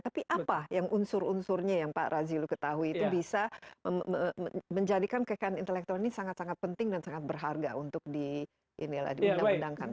tapi apa yang unsur unsurnya yang pak razilu ketahui itu bisa menjadikan kekayaan intelektual ini sangat sangat penting dan sangat berharga untuk diundang undangkan